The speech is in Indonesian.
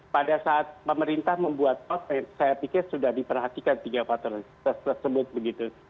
pada saat pemerintah membuat pos saya pikir sudah diperhatikan tiga faktor tersebut begitu